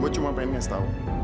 gue cuma pengen ngasih tau